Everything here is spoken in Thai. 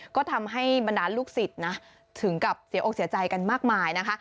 ก็ทำให้บรรดาลูกศิษย์นะถึงกับเสียอกเสียใจกันมากมายนะคะ